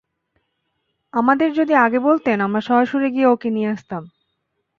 আমাদের যদি আগে বলতেন, আমরা সরাসরি গিয়ে ওকে নিয়ে আসতাম।